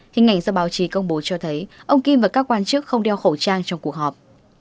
hình ảnh do báo chí công bố cho thấy ông kim và các quan chức không đeo khẩu trang trong cuộc họp